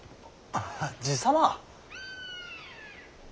爺様。